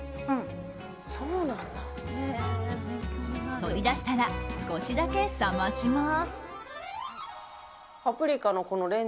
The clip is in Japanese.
取り出したら少しだけ冷まします。